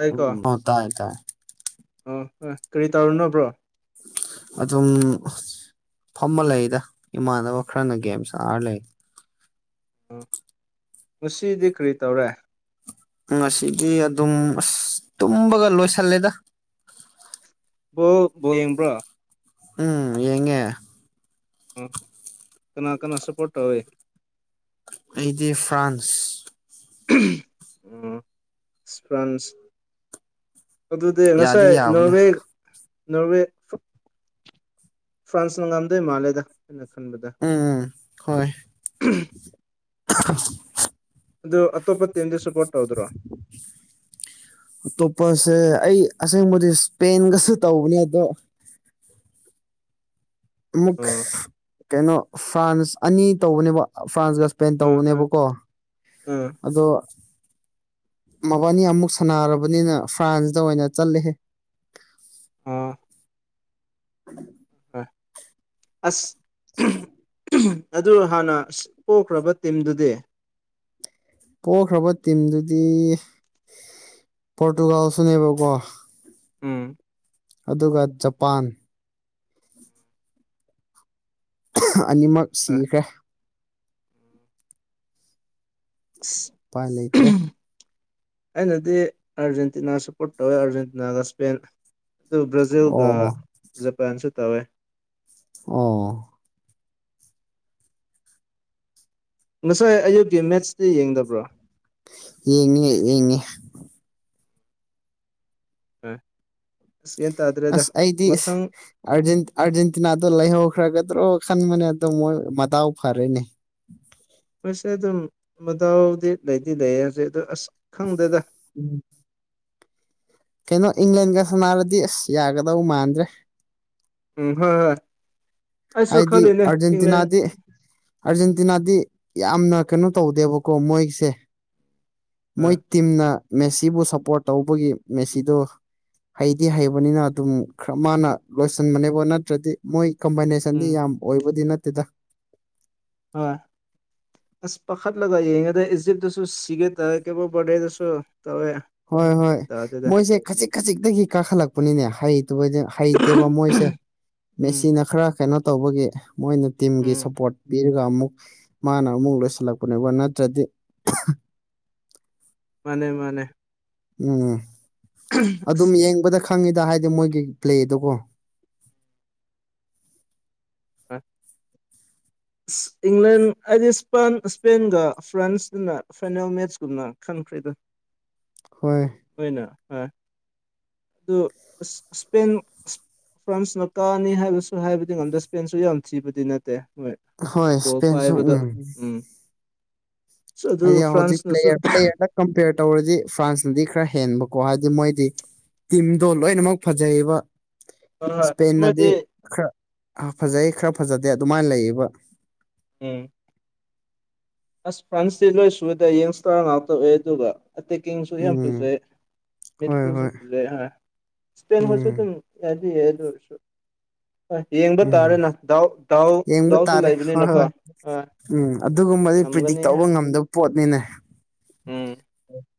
ꯑꯩꯀꯣ ꯎꯝ ꯍ ꯇꯥꯏ ꯇꯥꯏ ꯑꯣ ꯍꯣꯏ ꯀꯔꯤ ꯇꯧꯔꯨꯅꯣꯕ꯭ꯔꯣ ꯑꯗꯨꯝ ꯐꯝꯕ ꯂꯩꯗ ꯏꯃꯥꯟꯅꯕ ꯈꯔꯅ ꯒꯦꯝꯁ ꯑꯥꯔ ꯂꯩ ꯎꯝ ꯉꯁꯤꯗꯤ ꯀꯔꯤ ꯇꯧꯔꯦ ꯉꯁꯤꯗꯤ ꯑꯗꯨꯝ ꯑꯁ ꯇꯨꯝꯕꯒ ꯂꯣꯏꯁꯜꯂꯦꯗ ꯕꯣ ꯕꯣ ꯌꯦꯡꯕ꯭ꯔꯣ ꯎꯝ ꯊꯉ ꯑ ꯀꯅꯥ ꯀꯅꯥ ꯁꯄꯣꯔꯠ ꯇꯧꯋꯦ ꯑꯩꯗꯤ ꯐ꯭ꯔꯥꯟꯁ ꯐ꯭ꯔꯥꯟꯁ ꯑꯗꯨꯗꯤ ꯌꯥꯗꯤ ꯉꯁꯥꯏ ꯌꯥꯕꯅꯦ ꯅꯣꯔꯋꯦ ꯅꯣꯔꯋꯦ ꯐ꯭ꯔꯥꯟꯁꯅ ꯉꯥꯝꯗꯣꯏ ꯃꯥꯜꯂꯦꯗ ꯑꯩꯅ ꯈꯟꯕꯗ ꯎꯝ ꯎꯝ ꯍꯣꯏ ꯎꯝ ꯑ ꯑꯗꯨ ꯑꯇꯣꯞꯄ ꯇꯤꯝꯗꯤ ꯁꯄꯣꯔꯠ ꯇꯧꯗ꯭ꯔꯣ ꯑꯇꯣꯞꯄꯁꯦ ꯑꯩ ꯑꯁꯦꯡꯕꯗꯤ ꯏꯁꯄꯦꯟꯒꯁꯨ ꯇꯧꯕꯅꯦ ꯑꯗꯣ ꯑꯃꯨꯛ ꯑꯣ ꯀꯩꯅꯣ ꯐ꯭ꯔꯥꯟꯁ ꯑꯅꯤ ꯇꯧꯕꯅꯦꯕ ꯐ꯭ꯔꯥꯟꯁꯒ ꯄꯦꯟ ꯎꯝ ꯎꯝ ꯇꯧꯕꯅꯦꯕꯀꯣ ꯎꯝ ꯑꯗꯣ ꯃꯕꯥꯅꯤ ꯑꯃꯨꯛ ꯁꯥꯟꯅꯔꯕꯅꯤꯅ ꯐ꯭ꯔꯥꯟꯁꯇ ꯑꯣꯏꯅ ꯆꯠꯂꯍꯦ ꯑꯥ [unintelligible] ꯑꯁ [unintelligible] ꯑꯗꯨ ꯍꯥꯟꯅ ꯄꯣꯛꯈ꯭ꯔꯕ ꯇꯤꯝꯗꯨꯗꯤ ꯄꯣꯛꯈ꯭ꯔꯕ ꯇꯤꯝꯗꯨꯗꯤ ꯄꯣꯔꯇꯨꯒꯥꯜꯁꯨꯅꯦꯕꯀꯣ ꯎꯝ ꯑꯗꯨꯒ ꯖꯄꯥꯟ ꯑꯅꯤꯃꯛ ꯍꯣꯏ ꯁꯤꯈ꯭ꯔꯦ [unintelligible] ꯎꯄꯥꯏ ꯂꯩꯇ꯭ꯔꯦ ꯑꯩꯅꯗꯤ ꯑꯥꯔꯖꯦꯟꯇꯤꯅꯥ ꯁꯞꯄꯣꯔꯠ ꯇꯧꯋꯦ ꯑꯥꯔꯖꯦꯟꯇꯤꯅꯥꯒ ꯏꯁꯄꯦꯟ ꯑꯗꯨ ꯕ꯭ꯔꯥꯖꯤꯜꯒ ꯑꯣ ꯖꯄꯥꯟꯁꯨ ꯇꯧꯋꯦ ꯑꯣ ꯉꯁꯥꯏ ꯑꯌꯨꯛꯀꯤ ꯃꯦꯠꯁꯇꯤ ꯌꯦꯡꯗꯕ꯭ꯔꯣ ꯌꯦꯡꯉꯦ ꯌꯦꯡꯉꯦ ꯎ ꯑꯁ ꯑꯩꯗꯤ ꯃꯊꯪ ꯑꯥꯔꯖꯦꯟꯇꯤꯅꯥꯗꯣ ꯂꯩꯍꯧꯈ꯭ꯔꯒꯗ꯭ꯔꯣ ꯈꯟꯕꯅꯦ ꯑꯣ ꯃꯣꯏ ꯃꯇꯥꯎ ꯐꯔꯦꯅꯦ ꯑꯩꯣꯏꯁꯦ ꯑꯗꯨꯝ ꯃꯗꯥꯎꯗꯤ ꯂꯩꯗꯤ ꯂꯩꯌꯦ ꯍꯧꯖꯤꯛ ꯑꯗ ꯑꯁ ꯈꯪꯗꯦꯗ ꯎꯝ ꯀꯩꯅꯣ ꯏꯪꯂꯦꯟꯒ ꯁꯥꯟꯅꯥꯔꯗꯤ ꯑꯁ ꯌꯥꯒꯗꯧ ꯃꯥꯟꯗ꯭ꯔꯦ ꯎꯝ ꯍꯣꯏ ꯍꯣꯏ ꯑꯩꯁꯨ ꯍꯥꯏꯗꯤ ꯈꯜꯂꯤꯅꯦ ꯏꯪꯂꯦꯟ ꯑꯔꯖꯦꯟꯇꯤꯅꯥꯗꯤ ꯑꯥꯔꯖꯦꯟꯇꯤꯅꯥꯗꯤ ꯌꯥꯝꯅ ꯀꯩꯅꯣ ꯇꯧꯗꯦꯕꯀꯣ ꯃꯣꯏꯁꯦ ꯃꯣꯏ ꯎꯝ ꯇꯤꯝꯅ ꯃꯦꯁꯤꯕꯨ ꯁꯞꯄꯣꯔꯠ ꯇꯧꯕꯒꯤ ꯃꯦꯁꯤꯗꯨ ꯍꯩꯗꯤ ꯍꯩꯕꯅꯤꯅ ꯑꯗꯨꯝ ꯈꯔ ꯃꯥꯅ ꯂꯣꯏꯁꯤꯟꯕꯅꯦꯕ ꯅꯠꯇ꯭ꯔꯗꯤ ꯃꯣꯏ ꯀꯝꯕꯥꯏꯅꯦꯁꯟ ꯁꯟꯗꯤ ꯌꯥꯝ ꯑꯣꯏꯕꯗꯤ ꯅꯠꯇꯦꯗ ꯍꯣꯏ ꯑꯁ ꯄꯥꯠ ꯂꯒꯉꯗ ꯏꯖꯤꯞꯗꯁꯨꯣ ꯁꯤꯒꯦ ꯇ ꯀꯦꯕꯨꯣꯔꯦꯗꯁꯨꯣ ꯇꯧꯋꯦ ꯍꯣꯏ ꯍꯣꯏ ꯇꯥꯗꯦꯗ ꯃꯣꯏꯁꯦ ꯈꯖꯤꯛ ꯈꯖꯤꯛꯇꯒꯤ ꯀꯥꯈꯠꯂꯛꯄꯅꯤꯅꯦ ꯍꯩꯇ ꯍꯩꯇꯦꯕ ꯃꯣꯏꯁꯦ ꯎꯝ ꯃꯦꯆꯤꯅ ꯈꯔ ꯀꯩꯅꯣ ꯇꯧꯕꯒꯤ ꯃꯣꯏꯅ ꯇꯤꯝꯒꯤ ꯎꯝ ꯁꯞꯄꯣꯔꯠ ꯄꯤꯔꯒ ꯑꯃꯨꯛ ꯃꯥꯅ ꯑꯃꯨꯛ ꯂꯣꯏꯁꯤꯜꯂꯛꯄꯅꯦꯕ ꯅꯠꯇ꯭ꯔꯗꯤ ꯃꯅꯦ ꯃꯥꯅꯦ ꯎꯝ ꯑꯗꯨꯝ ꯑꯁ ꯌꯦꯡꯕꯗ ꯈꯪꯉꯤꯗ ꯍꯥꯏꯗꯤ ꯃꯣꯏꯒꯤ ꯄ꯭ꯂꯦꯗꯀꯣ ꯑ ꯏꯪꯂꯦꯟ ꯍꯥꯏꯗꯤ ꯏꯁꯄ ꯏꯁꯄꯦꯟꯒ ꯐ꯭ꯔꯥꯟꯁꯀꯅ ꯐꯥꯏꯅꯦꯜ ꯃꯦꯠꯁꯀꯨꯝꯅ ꯈꯪꯈ꯭ꯦꯗ ꯍꯣꯏ ꯑꯣꯏꯅ ꯍꯣꯏ ꯑꯗꯨꯄꯦꯟ ꯐ꯭ꯔꯥꯟꯁꯅ ꯀꯥꯅꯤ ꯍꯥꯏꯕꯁꯨ ꯍꯥꯏꯕꯗꯤ ꯉꯝꯗ ꯁ꯭ꯄꯦꯟꯁꯨ ꯌꯥꯝꯅ ꯊꯤꯕꯗꯤ ꯅꯠꯇꯦ ꯍꯣꯏ ꯍꯣꯏ ꯏꯁꯄꯦꯟꯁꯨ ꯎꯝ ꯑꯗꯨ ꯍꯥꯏꯗꯤ ꯍꯧꯖꯤꯛ ꯐ꯭ꯔꯥꯟꯁꯅꯁꯨ ꯄ꯭ꯂꯦꯔ ꯄ꯭ꯂꯦꯌꯔꯗ ꯀꯝꯄꯦꯌꯔ ꯇꯧꯔꯗꯤ ꯐ꯭ꯔꯥꯟꯁꯅꯗꯤ ꯈꯔ ꯍꯦꯟꯕꯀꯣ ꯍꯥꯏꯗꯤ ꯃꯣꯏꯗꯤ ꯇꯤꯝꯗꯣ ꯂꯣꯏꯅꯃꯛ ꯐꯖꯩꯌꯦꯕ ꯑꯁ ꯏꯁꯄꯦꯟꯅꯗꯤ ꯃꯣꯏꯗꯤ ꯈꯔ ꯐꯖꯩ ꯈꯔ ꯐꯖꯗꯦ ꯑꯗꯨꯃꯥꯏꯅ ꯂꯩꯌꯦꯕ ꯎ ꯑꯁ ꯐ꯭ꯔꯥꯟꯁꯇꯤ ꯂꯣꯏ ꯁꯨꯕꯗ ꯌꯦꯡꯁꯇꯔꯅ ꯑꯥꯎ ꯇꯧꯑꯦ ꯑꯗꯨꯒ ꯑꯇꯦꯛꯀꯤꯡꯁꯨ ꯌꯥꯝ ꯎꯝ ꯐꯖꯩ ꯍꯣꯏ ꯃꯦꯗꯤꯐꯤꯜꯁꯨ ꯍꯣꯏ ꯐꯖꯩ ꯏꯁꯄꯦꯟꯈꯁꯨ ꯎꯝ ꯑꯗꯨꯝ ꯑꯗꯤ ꯑꯦꯗꯁꯨ ꯑ ꯌꯦꯡꯕ ꯎꯝ ꯇꯥꯔꯦꯅ ꯗꯥꯎ ꯗꯥꯎ ꯌꯦꯡꯕ ꯗꯥꯎꯁꯨ ꯇꯥꯔꯦ ꯍꯣꯏ ꯂꯩꯕꯅꯤꯅꯀꯣ ꯍꯣꯏ ꯑ ꯎꯝ ꯑꯗꯨꯒꯨꯝꯕꯗꯤ ꯄ꯭ꯔꯤꯗꯤꯛ ꯇꯧꯕ ꯉꯝꯗꯕ ꯄꯣꯠꯅꯤꯅꯦ ꯎꯝ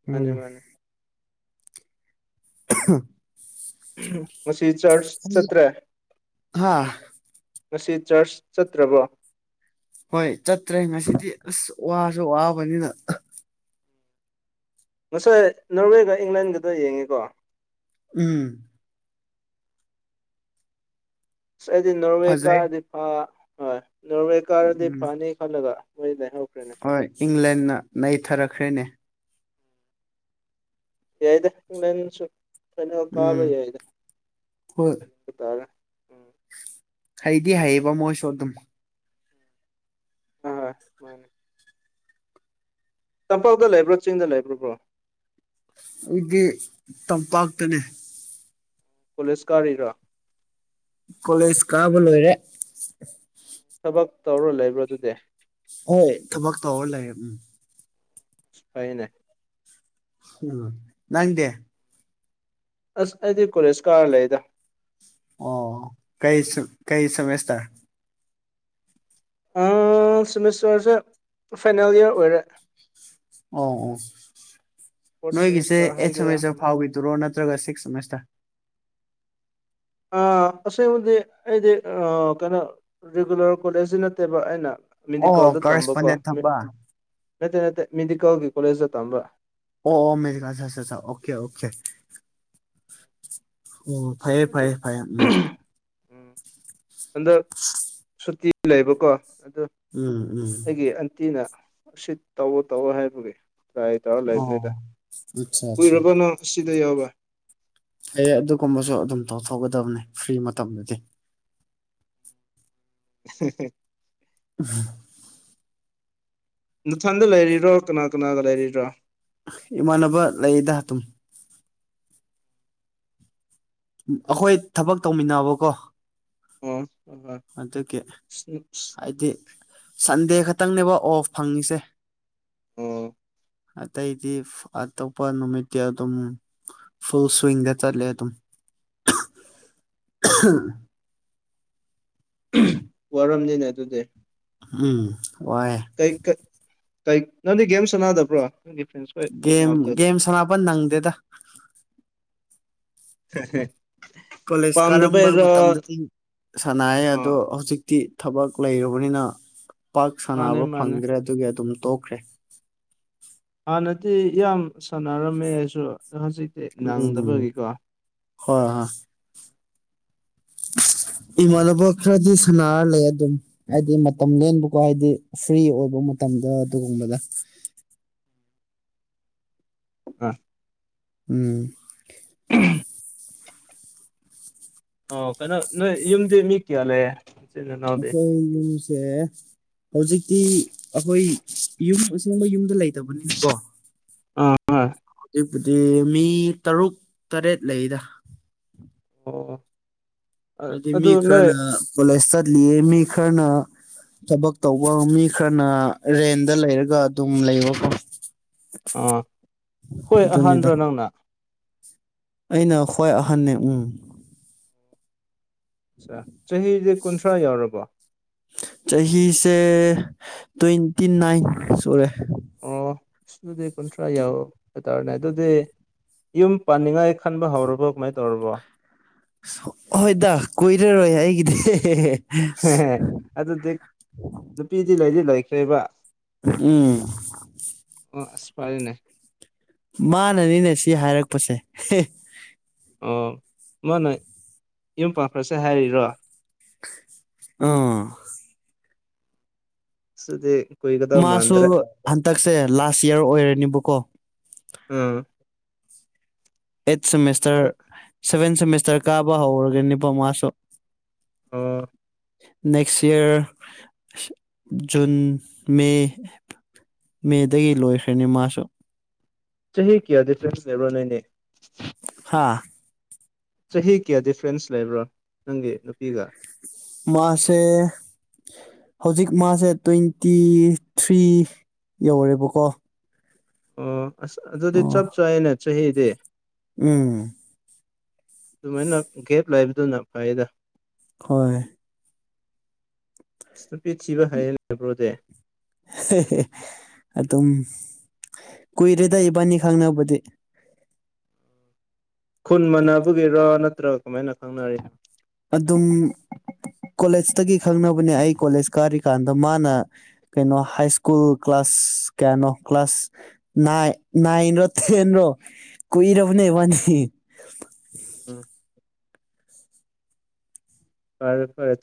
ꯃꯥꯅꯦ ꯎꯝ ꯃꯥꯅꯦ [inaudible] ꯃꯁꯤ ꯆꯔꯆ ꯑꯩ ꯆꯠꯇ꯭ꯔꯦ ꯍꯥ ꯉꯁꯤ ꯆꯔꯆ ꯆꯠꯇ꯭ꯔꯕꯣ ꯍꯣꯏ ꯆꯠꯇ꯭ꯔꯦ ꯉꯁꯤꯗꯤ ꯑꯁ ꯋꯥꯁꯨ ꯋꯥꯕꯅꯤꯅ ꯉꯁꯥꯏ ꯅꯣꯔꯋꯦꯒ ꯏꯪꯂꯦꯟꯒꯗ ꯌꯦꯡꯉꯤꯀꯣ ꯎꯝ ꯑꯁ ꯑꯩꯗꯤ ꯅꯣꯔꯋꯦ ꯐꯖꯩ ꯀꯥꯔꯗꯤ ꯍꯣꯏ ꯅꯣꯔꯋꯦ ꯀꯥꯔꯗꯤ ꯎꯝ ꯐꯅꯤ ꯈꯜꯂꯒ ꯃꯣꯏꯅꯦ ꯍꯧꯈ꯭ꯔꯦꯅꯦ ꯍꯣꯏ ꯏꯪꯂꯦꯟꯅ ꯅꯩꯊꯔꯛꯈ꯭ꯔꯦꯅꯦ ꯌꯥꯏꯗ ꯏꯪꯂꯦꯟꯁꯨ ꯐꯅꯦꯜ ꯀꯥꯕ ꯎꯝ ꯌꯥꯏꯗ ꯍꯣꯏ ꯇꯥꯔꯦ ꯎꯝ ꯍꯩꯗꯤ ꯍꯩꯌꯦꯕ ꯃꯣꯏꯁꯨ ꯑꯗꯨꯝ ꯍꫭꯏ ꯍꫭꯏ ꯃꯥꯅꯦ ꯇꯝꯄꯥꯛꯇ ꯂꯩꯕ꯭ꯔꯣ ꯆꯤꯡꯗ ꯂꯩꯕ꯭ꯔꫭ ꯕ꯭ꯔꯣ ꯑꯩꯗꯤ ꯇꯝꯄꯥꯛꯇꯅꯦ ꯀꫭꯂꯦꯁ ꯀꯥꯔꯤꯔ ꯀꯣꯂꯦꯁ ꯀꯥꯕ‌ ꯂꯣꯏꯔꯦ ꯊꯕꯛ ꯇꯧꯔ ꯂꯩꯕ꯭ꯔꯥ ꯑꯗꯨꯗꯤ ꯍꯣꯏ ꯊꯕꯛ ꯇꯧꯔ ꯂꯩꯔꯕꯅꯦ ꯐꯩꯅꯦ ꯎꯝ ꯅꯪꯗꯤ ꯑꯁ ꯑꯩꯗꯤ ꯀꫭꯂꯦꯁ ꯀꯥꯔ ꯂꯩꯗ ꯑꯣ ꯀꯩ ꯁꯤꯝ ꯀꯩ ꯁꯤꯃꯤꯁꯇꯔ ꯑꫭ ꯁꯤꯃꯤꯁꯇꯔꯁꯦ ꯐꯥꯏꯅꯦꯜ ꯏꯌꯔ ꯑꯣꯏꯔꯦ ꯑꯣ ꯑꯣ ꯐꯣꯔꯠ ꯅꯣꯏꯒꯤꯁꯦ ꯁꯦꯃꯤꯁꯇꯔ ꯑꯩꯏꯠ ꯍꯥꯏꯒꯦꯔꯥ ꯁꯤꯃꯤꯁꯇꯔ ꯐꯥꯎꯈꯤꯗꯨꯔꯣ ꯅꯠ ꯇꯔꯒ ꯁꯤꯛꯁ ꯁꯤꯃꯤꯁꯇꯔ ꯑ ꯑꯁꯦꯡꯕꯗꯤ ꯑꯩꯗꯤ ꯀꯩꯅꯣ ꯔꯤꯒꯨꯂꯔ ꯀꯣꯂꯦꯁꯇꯤ ꯅꯠꯇꯦꯕ ꯑꯩꯅ ꯑꯣ ꯃꯤꯅꯤꯀꫭꯜꯗ ꯇꯝꯕꯀꯣ ꯀꯔꯦꯁꯄꯣꯟꯗꯦꯟ ꯊꯝꯕ ꯅꯠꯇꯦ ꯅꯠꯇꯦ ꯃꯤꯅꯤꯀꫭꯜꯒꯤ ꯀꯣꯂꯦꯁꯇ ꯇꯝꯕ ꯑꯣ ꯑꯣ ꯃꯦꯔ ꯁꯥ‌ꯁꯥ ꯁꯥ ꯑꯣꯀꯦ ꯑꯣꯀꯦ ꯑꯣ ꯐꯩꯌꯦ ꯑꯗꯨ ꯐꯩꯌꯦ ꯐꯩꯌꯦ ꯎꯝ ꯎꯝ ꯍꯟꯗꯛ ꯁꯨꯇꯤ ꯂꯩꯕꯀꯣ ꯑꯗꯨ ꯎꯝ ꯎꯝ ꯑꯩꯒꯤ ꯑꯟꯇꯤꯅ ꯁꯤꯞ ꯇꯧꯋꯣ ꯇꯧꯋꫭ ꯍꯥꯏꯕꯒꯤ ꯇꯔꯥꯏ ꯇꯧꯔ ꯂꯩꯕꯅꯤꯗ ꯑꯣ ꯑꯠꯆꯥ ꯑꯠꯆꯥ ꯀꯨꯏꯔꯕ ꯅꯪꯁꯤꯗ ꯌꯥꯎꯕ ꯐꯩꯌꯦ ꯑꯗꯨꯒꯨꯝꯕꯁꯨ ꯑꯗꯨꯝ ꯇꯧꯊꯣꯛꯒꯗꯕꯅꯦ ꯐ꯭ꯔꯤ ꯃꯇꯝꯗꯗꯤ ꯍꯦ ꯍꯦ ꯍꯦ ꯎꯝ [unintelligible] ꯅꯊꯟꯗ ꯂꯩꯔꯤꯔꯣ ꯀꯅꯥ ꯀꯅꯥꯒ ꯂꯩꯔꯤ꯭ꯔꯣ ꯏꯃꯥꯟꯅꯕ ꯂꯩꯌꯦꯗ ꯑꯗꯨꯝ ꯑꯩꯈꯣꯏ ꯊꯕꯛ ꯇꯧꯃꯤꯟꯅꯕꯀꯣ ꯑꯣ ꯍꫭꯏ ꯍꯣꯏ ꯑꯗꯨꯒꯤ ꯍꯥꯏꯗꯤ ꯁꯟꯗꯦ ꯈꯛꯇꯪꯅꯦꯕ ꯑꯣꯐ ꯐꯪꯉꯤꯁꯦ ꯑꯣ ꯑꯇꯩꯗꯤ ꯑꯇꯣꯞꯄ ꯅꯨꯃꯤꯠꯇꯤ ꯑꯗꯨꯝ ꯐꯨꯜ ꯁꯨꯏꯏꯪꯗ ꯆꯠꯂꯦ ꯑꯗꯨꯝ [unintelligible] ꯋꯥꯔꯝꯅꯤꯅꯦ ꯑꯗꯨꯗꯤ ꯎꯝ ꯋꯥꯏꯌꯦ ꯀꯩ ꯀ ꯀꯩ ꯅꯪꯗꯤ ꯀꯩꯝ ꯁꯥꯟꯅꯗꯕ꯭ꯔꯣ ꯅꯪ ꯐ꯭ꯔꯁ ꯒꯦꯝ ꯒꯦꯝ ꯁꯥꯟꯅꯕ ꯅꯪꯗꯦꯗ ꯍꯦ ꯍꯦ ꯀꯣꯂꯦꯁ ꯀꯥꯔꯝꯕ ꯃꯇꯝꯗꯗꯤ ꯁꯥꯟꯅꯩꯌꯦ ꯑꯗꯣ ꯑꯥ ꯍꯧꯖꯤꯛꯇꯤ ꯊꯕꯛ ꯂꯩꯔꯕꯅꯤꯅ ꯄꯥꯛ ꯃꯥꯅꯦ ꯁꯥꯟꯅꯕ ꯃꯥꯅꯦ ꯐꯪꯗ꯭ꯔꯦ ꯑꯗꯨꯒꯤ ꯑꯗꯨꯝ ꯇꯣꯛꯈ꯭ꯔꯦ ꯍꯥꯟꯅꯗꯤ ꯌꯥꯝ ꯁꯥꯟꯅꯔꯝꯃꯦ ꯑꯩꯁꯨ ꯍꯧꯖꯤꯛ ꯎꯝ ꯍꯣꯏ ꯍꫭꯏ ꯏꯃꯥꯟꯅꯕ ꯈꯔꯗꯤ ꯁꯥꯟꯅꯔ ꯂꯩꯌꯦ ꯑꯗꯨꯝ ꯍꯥꯏꯗꯤ ꯃꯇꯝ ꯂꯦꯟꯕꯀꯣ ꯍꯥꯏꯗꯤ ꯐ꯭ꯔꯤ ꯑꯣꯏꯕ ꯃꯇꯝꯗ ꯑꯗꯨꯒꯨꯝꯕꯗ ꯑ ꯎꯝ ꯎꯝ ꯑꯣ ꯀꯩꯅꯣ ꯅꯣꯏ ꯌꯨꯝꯗꯤ ꯃꯤ ꯀꯌꯥ ꯂꯩꯌꯦ ꯏꯆꯤꯟ ꯏꯅꯥꯎꯗꯤ ꯑꯩꯈꯣꯏ ꯌꯨꯝ ꯑꯦ ꯍꯧꯖꯤꯛꯇꯤ ꯑꯩꯈꯣꯏ ꯌꯨꯝ ꯑꯁꯪꯕ ꯌꯨꯝꯗ ꯂꯩꯇꯕꯅꯤꯅꯀꯣ ꯑꯥ [unintelligible] ꯑꯗꯨꯕꯨꯗꯤ ꯃꯤ ꯇꯔꯨꯛ ꯇꯔꯦꯠ ꯂꯩꯗ ꯑꯣ ꯑꯗꯨ ꯅꯣꯏ ꯀꯣꯂꯦꯁꯇꯂꯤꯃꯤ ꯈꯅ ꯊꯕꯛ ꯇꯧꯕ ꯃꯤ ꯈꯔꯅ ꯔꯦꯟꯗ ꯂꯩꯔꯒ ꯑꯗꯨꯝ ꯂꯩꯕꯀꯣ ꯑꯥ ꯍꯣꯏ ꯑꯗꯨꯅꯤꯗ ꯑꯍꯥꯟꯕ꯭ꯔꯣ ꯅꯪꯅ ꯑꯩꯅ ꯈ꯭ꯋꯥꯏ ꯑꯍꯟꯅꯦ ꯎꯝ ꯑ ꯆꯍꯤꯗꯤ ꯀꯨꯟꯊ꯭ꯔꯥ ꯌꯥꯎꯔꯕꯣ ꯆꯍꯤꯁꯦ ꯇ꯭ꯋꯦꯟꯇꯤ ꯅꯥꯏꯟ ꯁꯨꯔꯦ ꯑꯣ ꯁꯤ ꯑꯗꯨꯗꯤ ꯀꯨꯟꯊ꯭ꯔꯥ ꯌꯥꯎ ꯍꯥꯏꯇꯥꯔꯦꯅꯦ ꯑꯗꯨꯗꯤ ꯌꯨꯝ ꯄꯥꯟꯅꯤꯡꯉꯥꯏ ꯈꯥꯟꯥꯟꯕꯕ ꯍꯧꯥꯎꯔꯔꯕꯣ ꯀꯃꯥꯏ ꯇꯧꯔꯔꯕꯣ ꯍꯣꯏꯗ ꯀꯨꯏꯔꯔꯣꯏ ꯑꯩꯒꯤꯗꯤ ꯑꯗꯨꯗꯤ ꯅꯨꯄꯤꯗꯤ ꯂꯩꯗꯤ ꯂꯩꯈ꯭ꯔꯦꯕ ꯎꯝ ꯑꯣ ꯑꯁꯄꯔꯦꯅꯦ ꯃꯥꯅꯅꯤꯅꯦ ꯁꯤ ꯍꯥꯏꯔꯛꯄꯁꯦ ꯑꯣ ꯃꯥꯅ ꯌꯨꯝꯄꯥꯛꯈ꯭ꯔꯁꯦ ꯍꯥꯏꯔꯤꯔꯣ ꯑ ꯁꯤꯗꯤ ꯃꯥꯁꯨ ꯍꯟꯇꯛꯁꯦ ꯂꯥꯁ ꯌꯌꯥꯔ ꯑꯣꯏꯔꯅꯤꯕꯀꯣ ꯎꯝ ꯑꯩꯠ ꯁꯦꯃꯤꯁꯇꯔ ꯁꯚꯦꯟ ꯁꯦꯃꯤꯁꯇꯔ ꯀꯥꯕ ꯍꯧꯔꯒꯦ ꯅꯤꯄꯥꯉꯥꯁꯨ ꯑꯣ ꯅꯦꯛꯁ ꯏꯌꯥꯔ ꯖꯨꯟ ꯃꯦ ꯃꯦꯗꯒꯤ ꯂꯣꯏꯈ꯭ꯔꯅꯤ ꯃꯥꯁꯨ ꯆꯍꯤ ꯀꯌꯥ ꯑꯗꯨ ꯆꯍꯤ ꯂꯩꯕ꯭ꯔꯣ ꯅꯅꯦ ꯍꯥꯥ ꯆꯍꯤ ꯀꯌꯥ ꯗꯤꯐ꯭ꯔꯦꯟꯁ ꯂꯩꯕ꯭ꯔꯣ ꯅꯪꯒꯤ ꯅꯨꯄꯤꯒ ꯃꯥꯁꯦ ꯍꯧꯖꯤꯛ ꯃꯥꯁꯦ ꯇ꯭ꯋꯦꯟꯇꯤ ꯊ꯭ꯔꯤ ꯌꯧꯔꯦꯕꯀꯣ ꯑꯣ ꯑꯁ ꯑꯗꯨꯗꯤ ꯑꯣ ꯆꯞ ꯆꯥꯩꯅꯦ ꯆꯍꯤꯗꯤ ꯎꯝ ꯑꯗꯨꯃꯥꯏꯅ ꯒꯦꯞ ꯂꯩꯕꯗꯨꯅ ꯐꯩꯗ ꯍꯣꯏ ꯅꯨꯄꯤ ꯊꯤꯕ ꯍꯥꯏꯌꯦ ꯅꯕ꯭ꯔꯣꯗꯦ ꯑꯗꯨꯝ ꯀꯨꯏꯔꯦꯗ ꯏꯕꯥꯅꯤ ꯈꯪꯅꯕꯗꯤ ꯈꯨꯟ ꯃꯥꯟꯅꯕꯒꯤꯔꯣ ꯅꯠꯇ꯭ꯔꯒ ꯀꯃꯥꯏꯅ ꯈꯪꯅꯔꯤꯅꯣ ꯑꯗꯨꯝ ꯀꯣꯂꯦꯖꯇꯒꯤ ꯈꯪꯅꯕꯅꯦ ꯑꯩ ꯀꯣꯂꯦꯖ ꯀꯥꯔꯤꯀꯥꯟꯗ ꯃꯥꯅ ꯀꯩꯅꯣ ꯍꯥꯏ ꯁ꯭ꯀꯨꯜ ꯀ꯭ꯂꯥꯁ ꯀꯌꯥꯅꯣ ꯀ꯭ꯂꯥꯁ ꯅꯏꯟ ꯔꯣ ꯇꯦꯟ ꯔꯣ ꯀꯨꯏꯔꯕꯕꯨꯅꯦ ꯋꯥꯅꯤ ꯎꯝ ꯐꯔꯦ ꯐꯔꯦ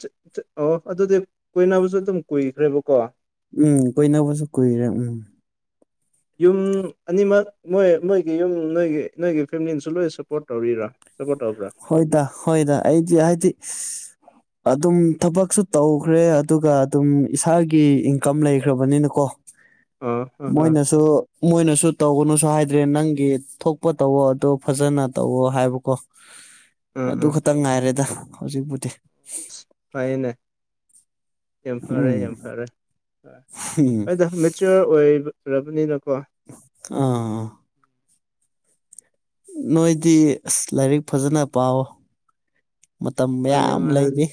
ꯑꯣ ꯑꯗꯨꯗꯤ ꯀꯨꯏꯅꯕꯁꯨ ꯑꯗꯨꯝ ꯀꯨꯏꯈ꯭ꯔꯦꯕꯀꯣ ꯎꯝ ꯀꯨꯏꯅꯕꯁꯨ ꯀꯨꯏꯔꯦ ꯎꯝ ꯌꯨꯝ ꯑꯅꯤꯃꯛ ꯃꯣꯏ ꯃꯣꯏꯒꯤ ꯌꯨꯝ ꯅꯣꯏꯒꯤ ꯅꯣꯏꯒꯤ ꯐꯦꯃꯤꯂꯤꯅꯁꯨ ꯂꯣꯏ ꯁꯞꯄꯣꯔꯠ ꯇꯧꯔꯤꯔꯣ ꯁꯄꯣ ꯇꯔꯕ꯭ꯔꯥ ꯍꯣꯏꯗ ꯍꯣꯏꯗ ꯑꯩꯗꯤ ꯍꯥꯏꯗꯤ ꯑꯗꯨꯝ ꯊꯕꯛꯁꯨ ꯇꯧꯈ꯭ꯔꯦ ꯑꯗꯨꯒ ꯑꯗꯨꯝ ꯏꯁꯥꯒꯤ ꯏꯟꯀꯝ ꯂꯩꯈ꯭ꯔꯕꯅꯤꯅꯀꯣ [inaudible] ꯑꯥ ꯃꯣꯏꯅꯁꯨ ꯃꯣꯏꯅꯁꯨ ꯇꯧꯒꯅꯨꯁꯨ ꯍꯥꯏꯗ꯭ꯔꯦ ꯅꯪꯒꯤ ꯊꯣꯛꯄ ꯇꯧꯋꯣ ꯑꯗꯣ ꯐꯖꯅ ꯇꯧꯋꯣ ꯍꯥꯏꯕꯀꯣ ꯎꯝ ꯑꯗꯨ ꯎꯝ ꯈꯛꯇꯪ ꯉꯥꯏꯔꯦꯗ ꯍꯧꯖꯤꯛꯄꯨꯗꯤ ꯐꯥꯏꯅꯦ ꯌꯥꯝ ꯐꯔꯦ ꯌꯥꯝ ꯐꯔꯦ ꯍꯝ ꯑꯩꯅ ꯃꯦꯆꯌꯣꯔ ꯑꯣꯏꯔꯕꯅꯤꯅꯀꯣ ꯑꯥ ꯅꯣꯏꯗꯤ ꯑꯁ ꯂꯥꯏꯔꯤꯛ ꯐꯖꯅ ꯄꯥꯎ ꯃꯇꯝ ꯃꯅꯦ ꯃꯌꯥꯝ ꯃꯥ ꯂꯩꯔꯤ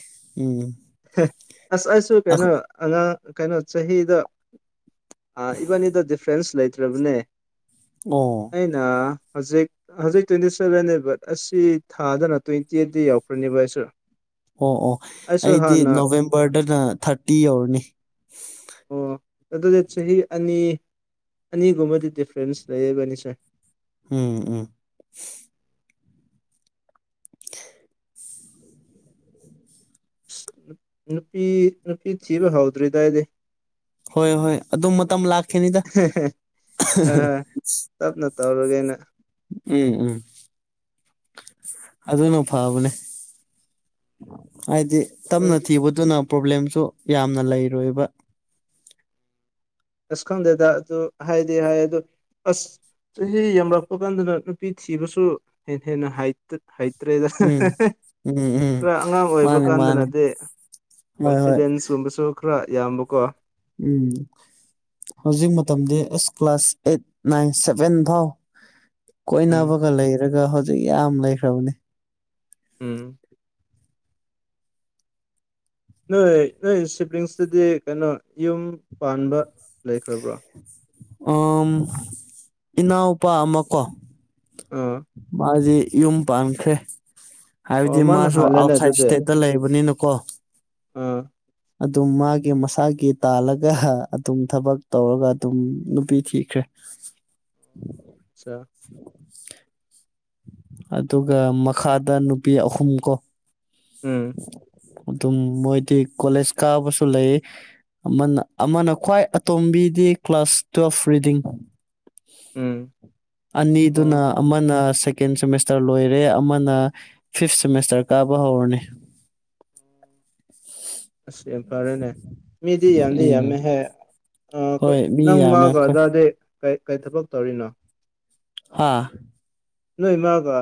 ꯎꯝ ꯑꯁꯁꯨ ꯑꯣ ꯀꯩꯅꯩꯅꯣ ꯑꯉꯥꯡ ꯀꯩꯅꯣ ꯆꯍꯤꯗ ꯏꯕꯥꯅꯤꯗ ꯗꯤꯐ꯭ꯔꯦꯟꯁ ꯂꯩꯇ꯭ꯔꯕꯅꯦ ꯑꯣ ꯑꯩꯅ ꯍꯧꯖꯤꯛ ꯍꯧꯖꯤꯛ ꯇ꯭ꯋꯦꯟꯇꯤ ꯁꯚꯦꯟꯦ ꯕꯠ ꯑꯁꯤ ꯊꯥꯗꯅ ꯇ꯭ꯋꯦꯟꯇꯤ ꯑꯩꯠꯇ ꯌꯥꯎꯈ꯭ꯔꯅꯦꯕ ꯑꯩꯁꯨꯔ ꯑꯣ ꯑꯣ ꯑꯩꯗꯤ ꯅꯣꯕꯦꯝꯕꯔꯗꯅ ꯊꯥꯔꯇꯤ ꯌꯧꯔꯅꯤ ꯑ ꯇ ꯆꯍꯤ ꯑꯅꯤ ꯑꯅꯤꯒꯨꯝꯃꯗꯤ ꯗꯤꯐ꯭ꯔꯦꯟꯁ ꯂꯩꯕꯅꯤ ꯆ ꯎꯝ ꯎꯝ ꯑ ꯅꯨꯄꯤ ꯅꯨꯄꯤ ꯊꯤꯕ ꯍꯧꯥꯎꯗ꯭ꯔꯤꯗꯥꯏꯗꯤ ꯍꯣꯏ ꯍꯣꯏ ꯑꯗꯨ ꯃꯇꯝ ꯂꯥꯛꯈꯤꯅꯤꯗ ꯇꯞꯅ ꯇꯧꯔꯒꯩꯅ ꯎꯝ ꯎꯝ ꯑꯗꯨꯅ ꯐꯕꯅꯦ ꯍꯥꯏꯗꯤ ꯁꯨꯝ ꯇꯞꯅ ꯊꯤꯕꯗꯨꯅ ꯄ꯭ꯔꯣꯕ꯭ꯂꯦꯝꯁꯨ ꯌꯥꯝꯅ ꯂꯩꯔꯣꯏꯕ ꯑꯁ ꯈꯪꯗꯦꯗ ꯑꯗꯨ ꯍꯥꯏꯗꯤ ꯍꯥꯏ ꯑꯗꯨ ꯑꯁ ꯆꯍꯤ ꯌꯥꯝꯂꯛꯄ ꯀꯥꯟꯗꯅ ꯅꯨꯄꯤ ꯊꯤꯕꯁꯨ ꯍꯦꯟꯅ ꯍꯦꯟꯅ ꯍꯥꯏꯠꯇ ꯍꯩꯇ꯭ꯔꯦꯗ ꯎꯝ ꯎꯝ ꯎꯝ ꯈꯔ ꯑꯉꯥꯡ ꯑꯣꯏꯕ ꯃꯥꯅꯦ ꯃꯥꯅꯦ ꯀꯥꯟꯗꯅꯗꯤ ꯍꯣꯏ ꯍꯣꯏ ꯀꯣꯟꯐꯤꯗꯦꯟꯁꯀꯨꯝꯕꯁꯨ ꯈꯔ ꯌꯥꯝꯕꯀꯣ ꯎꯝ ꯍꯧꯖꯤꯛ ꯃꯇꯝꯗꯤ ꯑꯁ ꯀ꯭ꯂꯥꯁ ꯑꯦꯠ ꯅꯥꯏꯟ ꯁꯚꯦꯟ ꯐꯥꯎ ꯎꯝ ꯀꯣꯏꯅꯕꯒ ꯂꯩꯔꯒ ꯍꯧꯖꯤꯛ ꯌꯥꯝ ꯂꯩꯈ꯭ꯔꯕꯅꯤ ꯎꯝ ꯅꯣꯏ ꯅꯣꯏ ꯁꯤꯕ꯭ꯂꯤꯡꯁꯇꯗꯤ ꯀꯩꯅꯣ ꯌꯨꯝ ꯄꯥꯟꯕ ꯂꯩꯈ꯭ꯔꯕ꯭ꯔꯣ ꯏꯅꯥꯎꯄꯥ ꯑꯃ ꯀꯣ ꯑ ꯃꯥꯖꯤꯦ ꯌꯨꯝ ꯄꯥꯟꯈꯦ ꯑꯣ ꯍꯥꯏꯕꯗꯤ ꯃꯥꯅ ꯃꯥꯁꯨ ꯍꯥꯜꯂꯦꯅꯦ ꯑꯥꯎꯠꯁꯥꯏꯠ ꯏꯁꯇꯦꯠꯇ ꯂꯩꯕꯅꯤꯅꯀꯣ ꯎꯝ ꯑꯗꯨꯝ ꯃꯥꯒꯤ ꯃꯁꯥꯒꯤ ꯇꯥꯜꯂꯒ ꯑꯗꯨꯝ ꯊꯕꯛ ꯇꯧꯔꯒ ꯑꯗꯨꯝ ꯅꯨꯄꯤ ꯊꯤ ꯎꯆ ꯑꯆꯥ [unintelligible] ꯑꯗꯨꯒ ꯃꯈꯥꯗ ꯅꯨꯄꯤ ꯑꯍꯨꯝ ꯀꯣ ꯎꯝ ꯑꯗꯨꯝ ꯃꯣꯏꯗꯤ ꯀꯂꯦꯖ ꯀꯥꯕꯁꯨ ꯂꯩ ꯑꯃꯅ ꯑꯃꯅ ꯈ꯭ꯋꯥꯏ ꯑꯇꯣꯝꯕꯤꯗꯤ ꯀ꯭ꯂꯥꯁ ꯇꯨꯋꯦꯜꯐ ꯔꯤꯗꯤꯡ ꯎꯝ ꯑꯣ ꯑꯅꯤꯗꯨꯅ ꯑꯃꯅ ꯁꯦꯀꯦꯟ ꯁꯦꯃꯦꯁꯇꯔ ꯂꯣꯏꯔꯦ ꯑꯃꯅ ꯐꯤꯐ ꯁꯦꯃꯦꯁꯇꯔ ꯀꯥꯕ ꯍꯧꯔꯅꯤ ꯑꯁ ꯌꯥꯝ ꯐꯔꯦꯅꯦ ꯃꯤꯗꯤ ꯌꯥꯝꯗꯤ ꯎꯝ ꯌꯥꯝꯃꯦꯍ ꯑꯣꯏ ꯍꯣꯏ ꯃꯤ ꯅꯪ ꯌꯥꯝꯃꯦ ꯃꯥꯒ ꯑꯩꯈꯣꯏ ꯑꯗꯥꯗꯤ ꯀꯩ ꯀꯩ ꯊꯕꯛ ꯇꯧꯔꯤꯅꯣ ꯍꯥ ꯅꯣꯏ ꯃꯥꯒ